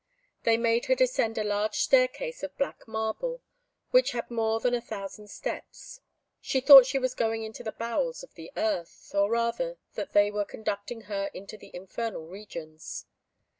They made her descend a large staircase of black marble, which had more than a thousand steps: she thought she was going into the bowels of the earth, or rather, that they were conducting her into the infernal regions.